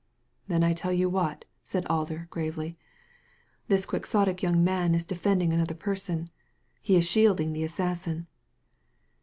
"Then I tell you what," said Alder, gravely, "this quixotic young man is defending another person ; he is shielding the assassin."